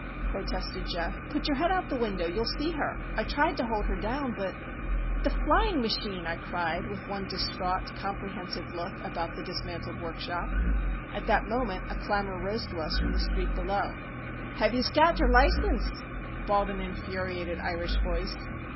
protested Geof. "Put your head out the window. You'll see her! I tried to hold her down, but——" "The flying machine!" I cried, with one distraught, comprehensive look about the dismantled workshop. At that moment a clamour rose to us from the street below. "Have yez got er license?" bawled an infuriated Irish voice.